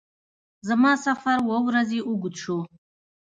زما سفر اووه ورځو اوږد شو.